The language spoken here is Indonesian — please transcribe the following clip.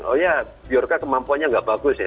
oh ya biorka kemampuannya nggak bagus ya